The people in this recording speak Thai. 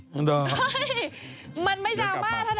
เฮ้ยมันไม่ดราม่าถนัด